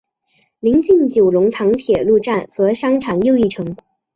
邻近九龙塘铁路站和商场又一城。